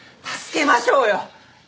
助けましょうよ！